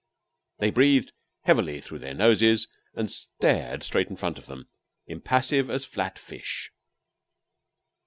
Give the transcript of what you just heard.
They breathed heavily through their noses, and stared straight in front of them impassive as flat fish.